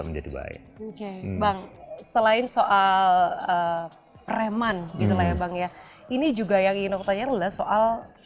menjadi baik oke bang selain soal reman gitu lah ya bang ya ini juga yang ingin aku tanyakan adalah soal